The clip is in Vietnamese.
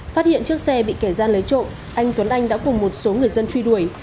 phát hiện chiếc xe bị kẻ gian lấy trộm anh tuấn anh đã cùng một số người dân truy đuổi